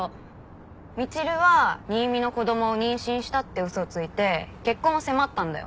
みちるは新見の子供を妊娠したって嘘ついて結婚を迫ったんだよ。